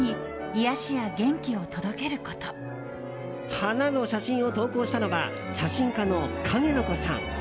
花の写真を投稿したのは写真家のかげのこさん。